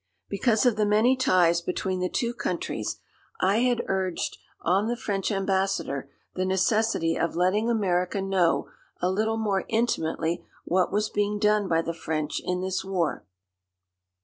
Because of the many ties between the two countries, I had urged on the French Ambassador the necessity of letting America know a little more intimately what was being done by the French in this war.